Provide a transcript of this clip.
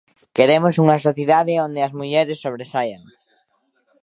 Queremos unha sociedade onde as mulleres sobresaian.